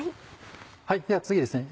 では次ですね